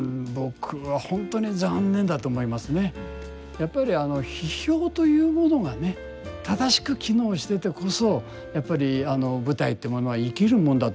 やっぱり批評というものがね正しく機能しててこそやっぱり舞台っていうものは生きるもんだと思うんですね。